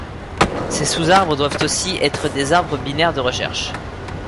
Ces sous-arbres doivent aussi être des arbres binaires de recherche.